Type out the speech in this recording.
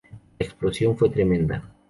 La explosión fue tremenda.